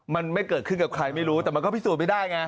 มันไม่เกิดขึ้นกับใครไม่รู้แต่มันก็พิสูจน์ไม่ได้ไง